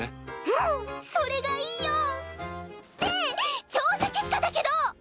うんそれがいいよ！で調査結果だけど！